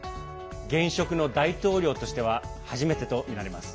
現職の大統領としては初めてとなります。